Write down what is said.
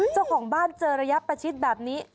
เจ้าของบ้านเจอระยะประชิดแบบนี้